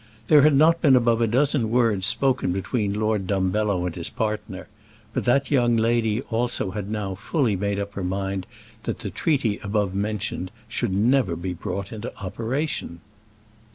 There had not been above a dozen words spoken between Lord Dumbello and his partner, but that young lady also had now fully made up her mind that the treaty above mentioned should never be brought into operation.